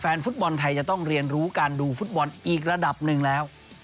แฟนฟุตบอลไทยจะต้องเรียนรู้การดูฟุตบอลอีกระดับหนึ่งแล้ว